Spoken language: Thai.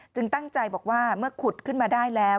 ตั้งใจบอกว่าเมื่อขุดขึ้นมาได้แล้ว